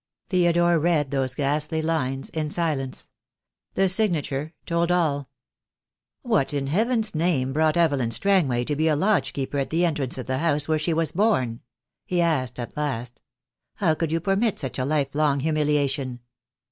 Theodore read those ghastly lines in silence. The signature told all. "What in Heaven's name brought Evelyn Strangway to be a lodgekeeper at the entrance of the house where she was born?" he asked, at last. "How could you permit such a life long humiliation?"